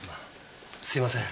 すみません。